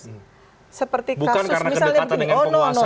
bukan karena kedepatan dengan penguasa